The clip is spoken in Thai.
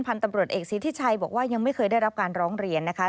ตำรวจเอกสิทธิชัยบอกว่ายังไม่เคยได้รับการร้องเรียนนะคะ